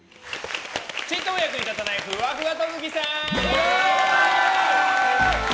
ちっとも役に立たないふわふわ特技さん！